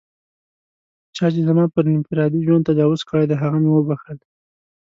چا چې زما پر انفرادي ژوند تجاوز کړی دی، هغه مې و بښل.